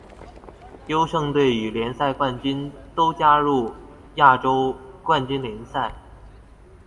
优胜队与联赛冠军都加入亚洲冠军联赛。